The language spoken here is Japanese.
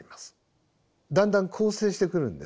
だんだん構成してくるんですね。